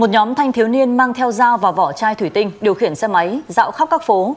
một nhóm thanh thiếu niên mang theo dao và vỏ chai thủy tinh điều khiển xe máy dạo khắp các phố